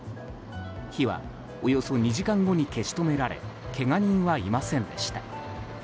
火はおよそ２時間後に消し止められけが人はいませんでした。